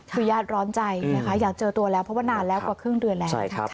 คือญาติร้อนใจนะคะอยากเจอตัวแล้วเพราะว่านานแล้วกว่าครึ่งเดือนแล้ว